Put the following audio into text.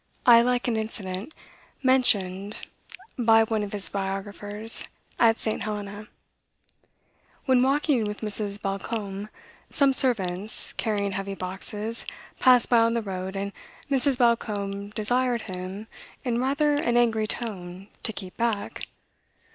I like an incident mentioned by one of his biographers at St. Helena. "When walking with Mrs. Balcombe, some servants, carrying heavy boxes, passed by on the road, and Mrs. Balcombe desired them, in rather an angry tone, to keep back.